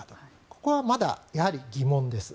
ここはまだ疑問です。